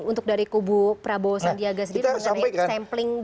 untuk dari kubu prabowo sandiaga sendiri mengenai sampling dan juga hasil